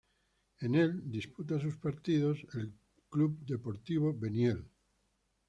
En el disputa sus partidos el Club Deportivo Beniel.